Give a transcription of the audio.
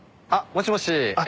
もしもし。